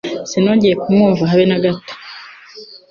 Sinongeye kumwumva habe nagato.